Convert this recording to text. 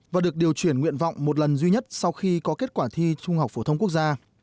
và được điều chuyển nguyện vọng một lần duy nhất sau khi có kết quả thi trung học phổ thông quốc gia